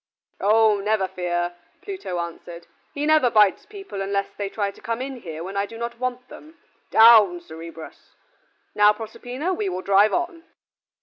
"Oh, never fear," Pluto answered; "he never bites people unless they try to come in here when I do not want them. Down, Cerberus. Now, Proserpina, we will drive on."